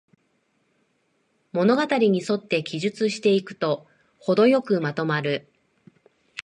物語にそって記述していくと、ほどよくまとまる